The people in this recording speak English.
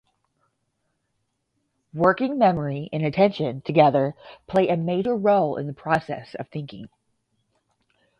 Working memory and attention together play a major role in the processes of thinking.